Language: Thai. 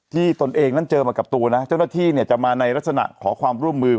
ตนเองนั้นเจอมากับตัวนะเจ้าหน้าที่เนี่ยจะมาในลักษณะขอความร่วมมือ